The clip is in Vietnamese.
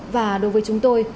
và đối với chúng tôi